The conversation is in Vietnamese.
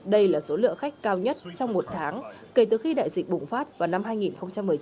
đây là số lượng khách cao nhất trong một tháng kể từ khi đại dịch bùng phát vào năm hai nghìn một mươi chín